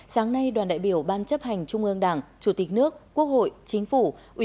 sáng nay đoàn đại biểu ban chấp hành trung ương đảng chủ tịch nước quốc hội chính phủ